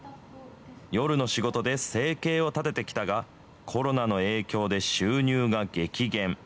夜の仕事で生計を立ててきたが、コロナの影響で収入が激減。